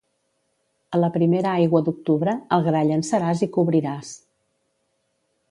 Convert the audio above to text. A la primera aigua d'octubre, el gra llançaràs i cobriràs.